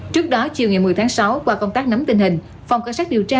trước đó chiều ngày một mươi tháng sáu qua công tác nắm tình hình phòng cảnh sát điều tra